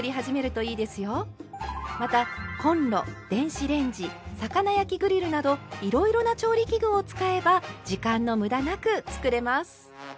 またコンロ電子レンジ魚焼きグリルなどいろいろな調理器具を使えば時間のむだなく作れます。